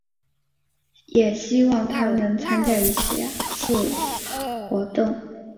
也希望她能参加下一次的活动。